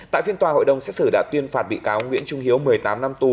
tại phiên tòa hội đồng xét xử đã tuyên phạt bị cáo nguyễn trung hiếu một mươi tám năm tù